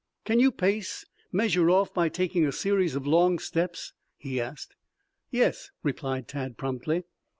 "Can you pace measure off by taking a series of long steps?" he asked. "Yes," replied Tad promptly.